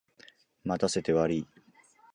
待たせてわりい。